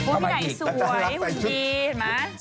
กลางเรื่องใดสวยสุดยอด